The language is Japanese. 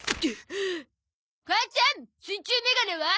母ちゃん水中メガネは？